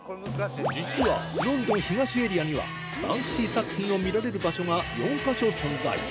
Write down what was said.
実はロンドン東エリアにはバンクシー作品を見られる場所が４か所存在